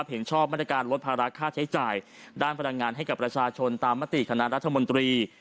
เห็นชอบมาตรการลดภาระค่าใช้จ่ายด้านพลังงานให้กับประชาชนตามมติคณะรัฐมนตรี